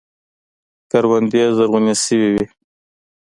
کروندې زرغونې شوې وې.